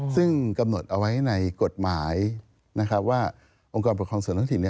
ซึ่งกำหนดเอาไว้ในกฎหมายนะครับว่าองค์กรปกครองส่วนท้องถิ่น